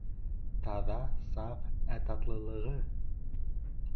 Таҙа, саф, ә татлылығы!